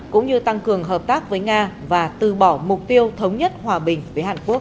cũng như tăng cường hợp tác với nga và từ bỏ mục tiêu thống nhất hòa bình với hàn quốc